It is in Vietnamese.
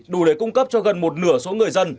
đủ để cung cấp cho gần một nửa số người dân